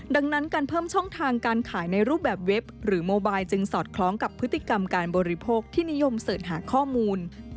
ดังนั้นการเพิ่มช่องทางการขายในรูปแบบเว็บหรือโมบายจึงสอดคล้องกับพฤติกรรมการบริโภคที่นิยมเสิร์ชหาข้อมูล